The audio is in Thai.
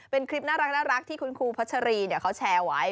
เป็นคลิปน่ารักที่คุณครูพัชรีเขาแชร์ไว้